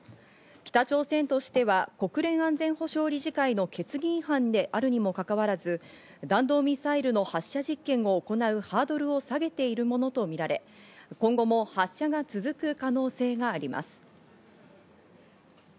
北朝鮮としては、国連安全保障理事会の決議違反であるにもかかわらず弾道ミサイルの発射実験を行うハードルを下げているものとみられ、今後も発射が続く可能性があります。